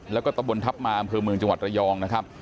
แล้วก็ตะบนทัพมาอำเภอเมืองจังหวัดระยองนะครับ